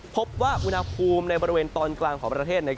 พบว่าอุณหภูมิในบริเวณตอนกลางของประเทศ